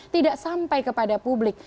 yang dikirai kepada publik